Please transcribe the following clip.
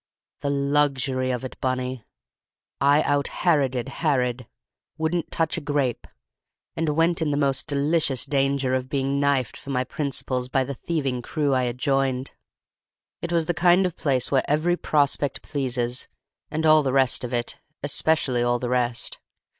The luxury of it, Bunny! I out heroded Herod, wouldn't touch a grape, and went in the most delicious danger of being knifed for my principles by the thieving crew I had joined. "It was the kind of place where every prospect pleases—and all the rest of it—especially all the rest.